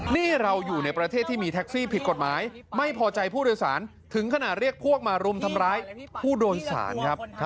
นี่เราอยู่ในประเทศที่มีแท็กซี่ผิดกฎหมายไม่พอใจผู้โดยสารถึงขนาดเรียกพวกมารุมทำร้ายผู้โดยสารครับ